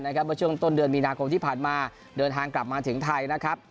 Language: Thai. เมื่อช่วงต้นเดือนมีนาคมที่ผ่านมาเดินทางกลับมาถึงไทยนะครับ